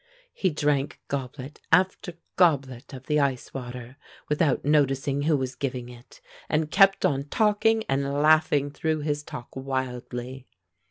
He drank goblet after goblet of the ice water without noticing who was giving it, and kept on talking, and laughing through his talk wildly.